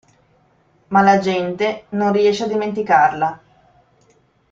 Ma l'agente non riesce a dimenticarla.